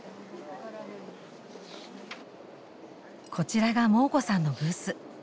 こちらがモー子さんのブース。